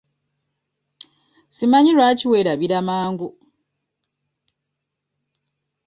Simanyi lwaki weerabira mangu?